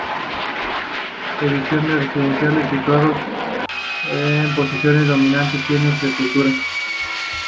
Edificios residenciales situados en posiciones dominantes tienen sepulturas.